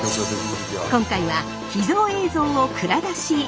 今回は秘蔵映像を蔵出し！